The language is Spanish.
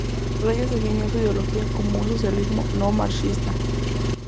Reyes definió su ideología como un socialismo no marxista.